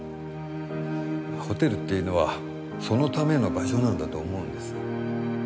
ホテルっていうのはそのための場所なんだと思うんです。